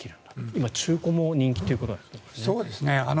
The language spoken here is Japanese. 今、中古も人気ということですね。